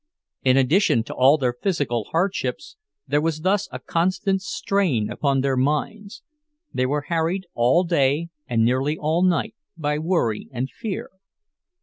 In addition to all their physical hardships, there was thus a constant strain upon their minds; they were harried all day and nearly all night by worry and fear.